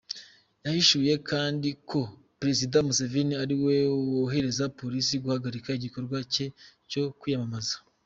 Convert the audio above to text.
Yahishuye kandi ko Perezida Museveni ari we wohereza polisi guhagarika igikorwa cye cyo kwiyamamaza.